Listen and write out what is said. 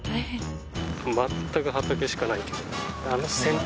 全く畑しかないけど。